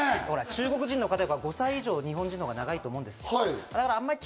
中国人の方より５歳以上日本人のほうが長いと思うんです。